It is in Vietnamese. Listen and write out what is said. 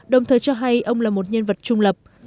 đồng thời cho hay ông là một nhân vật trung lập